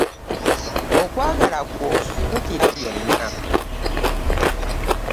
Okwagala kwo kukira byonna.